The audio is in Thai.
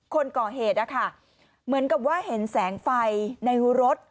คนก่อเหตุนะคะเหมือนกับว่าเห็นแสงไฟในรถ